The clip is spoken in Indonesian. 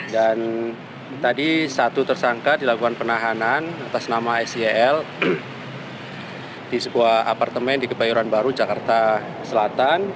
dan tadi satu tersangka dilakukan penahanan atas nama sel di sebuah apartemen di kebayoran baru jakarta selatan